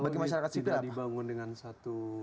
kalau tidak dibangun dengan satu